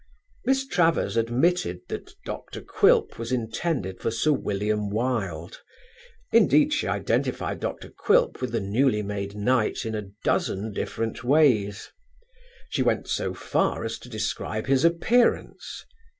Miss Travers admitted that Dr. Quilp was intended for Sir William Wilde; indeed she identified Dr. Quilp with the newly made knight in a dozen different ways. She went so far as to describe his appearance.